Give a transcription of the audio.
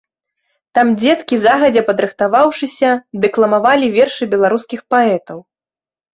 Там дзеткі, загадзя падрыхтаваўшыся, дэкламавалі вершы беларускіх паэтаў.